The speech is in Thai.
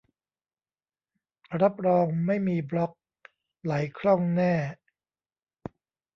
รับรองไม่มีบล็อค ไหลคล่องแน่